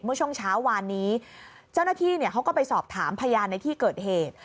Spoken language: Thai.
เมื่อช่วงเช้าวานนี้เจ้าหน้าที่เขาก็ไปสอบถามพยานในที่เกิดเหตุ